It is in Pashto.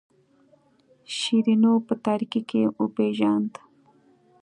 شیرینو په تاریکۍ کې وپیژاند.